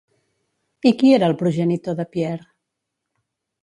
I qui era el progenitor de Píer?